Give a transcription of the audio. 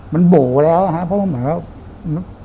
มันโบ๋แล้วเพราะว่าเหมือนว่า